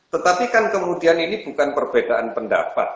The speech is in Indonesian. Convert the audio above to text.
tetapi kan kemudian ini bukan perbedaan pendapat